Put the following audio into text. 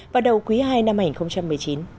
vào đầu quý ii năm hai nghìn một mươi chín